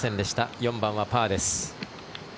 ４番はパーです。